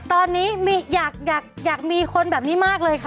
ตอนนี้อยากมีคนแบบนี้มากเลยค่ะ